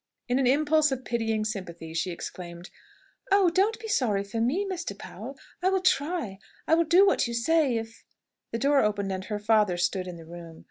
In an impulse of pitying sympathy she exclaimed, "Oh, don't be so sorry for me, Mr. Powell! I will try! I will do what you say, if " The door opened, and her father stood in the room.